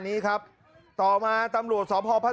นักเรียงมัธยมจะกลับบ้าน